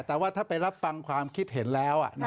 แต่ว่าถ้าไปรับฟังความคิดเห็นแล้ว